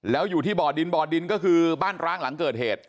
แล้วอยู่ที่บ่อดินบ่อดินก็คือบ้านร้างหลังเกิดเหตุ